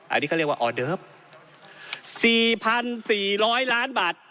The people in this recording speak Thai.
อันนี้แค่เรียกว่าออเดิร์ปสี่พันสี่ร้อยล้านบาท